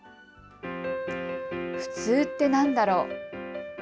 普通って何だろう。